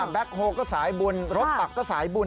แก๊คโฮก็สายบุญรถปักก็สายบุญ